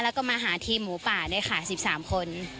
แล้วก็มาหาทีมหมูป่าด้วยค่ะ๑๓คน